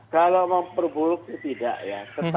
kalau memperburuk itu tidak ya